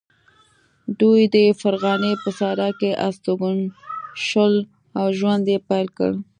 دوی د فرغانې په صحرا کې استوګن شول او ژوند یې پیل کړ.